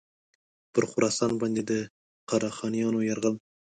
پر خراسان باندي د قره خانیانو یرغل.